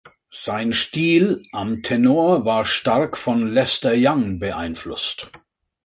Sein Stil am Tenor war stark von Lester Young beeinflusst.